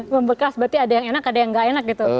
membekas berarti ada yang enak ada yang nggak enak gitu